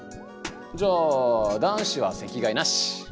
じゃあ男子は席替えなし！